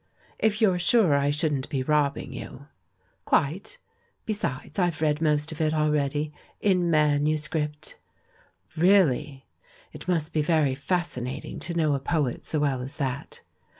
"If you're sure I shouldn't be robbing you?" "Quite. Besides, I've read most of it already, in manuscript." "Really? It must be very fascinating to know a poet so well as that!"